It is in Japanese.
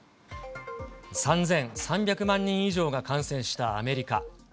３３００万人以上が感染したアメリカ。